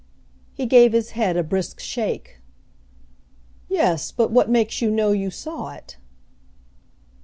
He gave his head a brisk shake. "Yes, but what makes you know you saw it?"